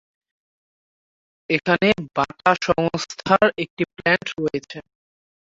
এখানে বাটা সংস্থার একটি প্ল্যান্ট রয়েছে।